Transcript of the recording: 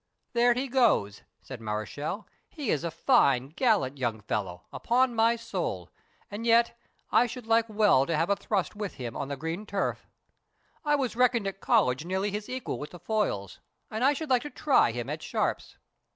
"There he goes," said Mareschal; "he is a fine, gallant young fellow, upon my soul; and yet I should like well to have a thrust with him on the green turf. I was reckoned at college nearly his equal with the foils, and I should like to try him at sharps."